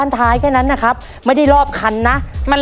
แล้ววันนี้ผมมีสิ่งหนึ่งนะครับเป็นตัวแทนกำลังใจจากผมเล็กน้อยครับ